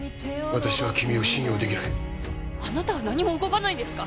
私は君を信用できないあなたは何も動かないんですか？